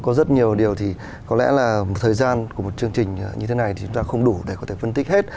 có rất nhiều điều thì có lẽ là thời gian của một chương trình như thế này thì chúng ta không đủ để có thể phân tích hết